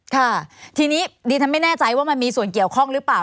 ค่ะทีนี้ดิฉันไม่แน่ใจว่ามันมีส่วนเกี่ยวข้องหรือเปล่า